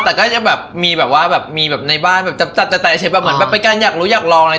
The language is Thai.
แต่ก็จะแบบมีแบบว่าแบบมีแบบในบ้านแบบจัดแบบเหมือนแบบเป็นการอยากรู้อยากลองอะไร